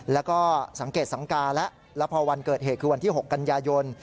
แล้วก็สังเกตสังกาแล้วแล้วพอวันเกิดเหตุคือวันที่๖กันยายน